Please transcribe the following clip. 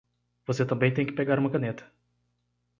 Você também tem que pegar uma caneta.